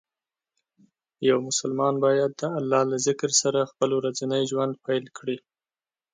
یو مسلمان باید د الله له ذکر سره خپل ورځنی ژوند پیل کړي.